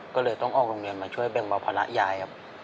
ก็เลยต้องออกโรงเรียนมาช่วยแบ่งเบาภาระยายครับ